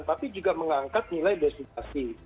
tapi juga mengangkat nilai destinasi